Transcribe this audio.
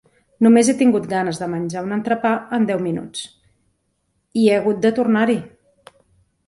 Només he tingut ganes de menjar un entrepà en deu minuts, i he hagut de tornar-hi!